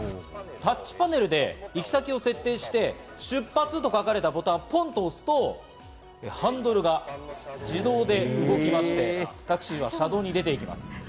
タッチパネルで行き先を設定しまして、「出発」と書かれたボタンをポンと押すとハンドルが自動で動きましてタクシーは車道へ出ていきます。